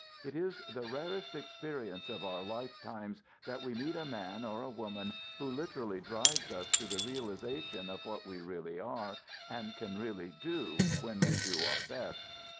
It is the rarest experience of our lifetimes that we meet a man or a woman who literally drives us to the realization of what we really are and can really do when we do our best.